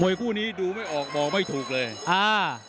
คู่นี้ดูไม่ออกบอกไม่ถูกเลยอ่า